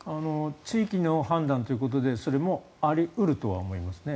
地域の判断ということでそれもあり得るとは思いますね。